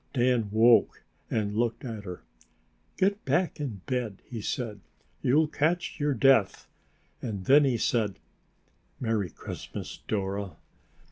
Dan woke and looked at her. "Get back to bed," he said. "You'll catch your death." And then he said, "Merry Christmas, Dora!"